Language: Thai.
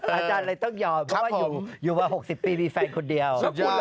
อาจารย์เลยต้องอย่างนั้นอยู่วัน๖๐ปีมีแฟนคนเดียว